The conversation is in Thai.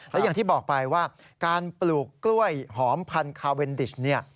และอย่างที่บอกไปว่าการปลูกกล้วยหอมพันธุ์เวนดิช